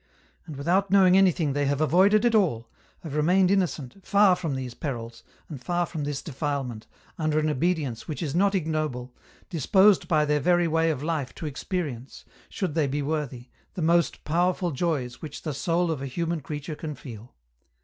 And without knowing anything they have avoided it all, have remained innocent, far from these perils, and far from this defilement, under an obedience which is not ignoble, disposed by their very way of life to experience, should they be worthy, the most powerful joys which the soul of a human creature can feel.